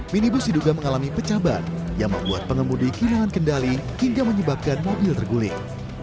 minibus diduga mengalami pecah ban yang membuat pengemudi kehilangan kendali hingga menyebabkan mobil terguling